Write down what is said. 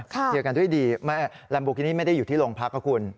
เคลียร์กันด้วยดีลัมโบกินี่ไม่ได้อยู่ที่โรงพักนะคุณ